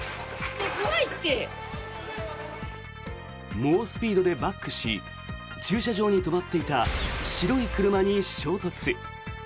猛スピードでバックし駐車場に止まっていた白い車に衝突。